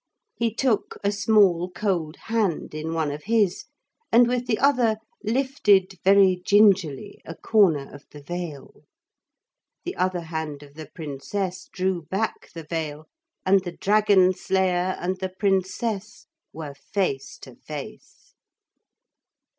He took a small cold hand in one of his and with the other lifted, very gingerly, a corner of the veil. The other hand of the Princess drew back the veil, and the Dragon Slayer and the Princess were face to face.